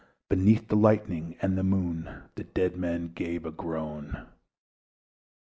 Beneath the lightning and the Moon The dead men gave a groan.